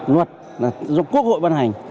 luật là do quốc hội ban hành